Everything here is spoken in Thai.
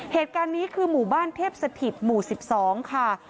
เหตุการณ์นี้คือหมู่บ้านเทพสถิตหมู่๑๒ค่ะ